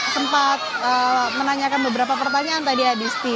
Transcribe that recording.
sempat menanyakan beberapa pertanyaan tadi adisti